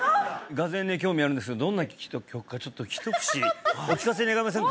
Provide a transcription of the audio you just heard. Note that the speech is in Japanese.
がぜんね興味あるんですがどんな曲かちょっと一節お聴かせ願えませんか？